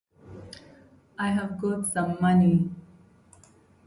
One round Stupa is present at Sirkap.